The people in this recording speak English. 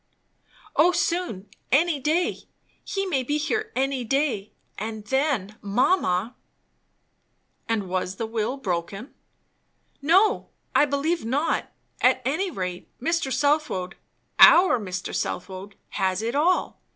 "O soon; any day. He may be here any day. And then, mamma " "And was the will broken?" "No, I believe not. At any rate, Mr. Southwode, our Mr. Southwode, has it all.